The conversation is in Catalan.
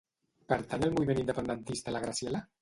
Pertany al moviment independentista la Graciela?